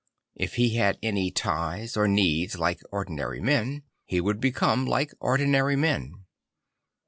If he had any ties or needs like ordinary men, he would become like ordinary men.